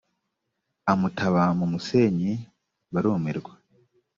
amutaba mu musenyi barumirwa